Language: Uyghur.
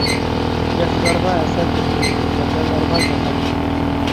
ياخشىلارغا ھەسەل تېتىيمىز، ناچارلارغا زەھەر!